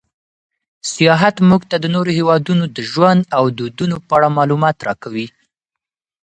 سیاحت موږ ته د نورو هېوادونو د ژوند او دودونو په اړه معلومات راکوي.